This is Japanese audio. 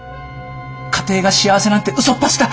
家庭が幸せなんてうそっぱちだ。